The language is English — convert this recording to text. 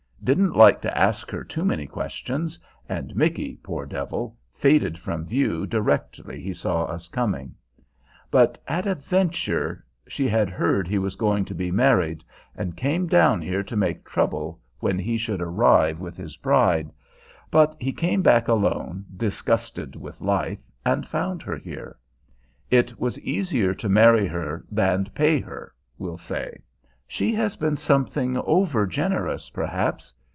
Didn't like to ask her too many questions; and Micky, poor devil, faded from view directly he saw us coming. But at a venture: she had heard he was going to be married, and came down here to make trouble when he should arrive with his bride; but he came back alone, disgusted with life, and found her here. It was easier to marry her than pay her, we'll say. She has been something over generous, perhaps.